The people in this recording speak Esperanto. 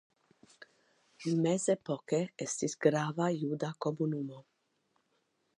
Mezepoke estis grava juda komunumo.